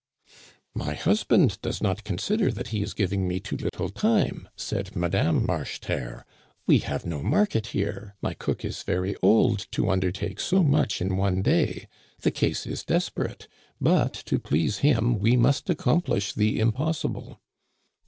"* My husband does not consider that he is giving me too little time,' said Madame Marcheterre. * We have no market here. My cook is very old to under take so much in one day. The case is desperate, but to please him we must accomplish the impossible.'